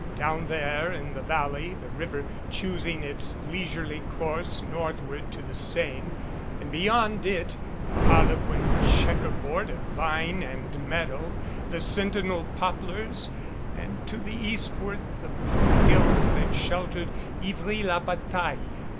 Down there in the valley the river choosing its leisurely course northward to the Seine, and beyond it the harlequin checkerboard of vine and meadow, the sentinel poplars, and to the east ward the blue hills that sheltered Ivry la Bataille.